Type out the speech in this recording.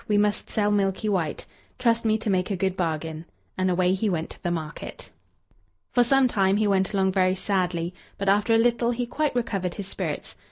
"We must sell Milky White. Trust me to make a good bargain," and away he went to the market. For some time he went along very sadly, but after a little he quite recovered his spirits.